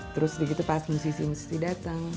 terus begitu pas musisi musisi datang